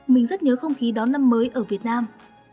mình rất nhớ không khí đón năm mới ở việt nam